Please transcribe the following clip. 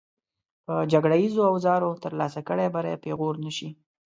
پر جګړیزو اوزارو ترلاسه کړی بری پېغور نه شي.